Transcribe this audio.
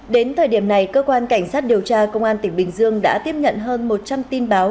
đến thời điểm này cơ quan cảnh sát điều tra công an tỉnh bình dương đã tiếp nhận hơn một trăm linh tin báo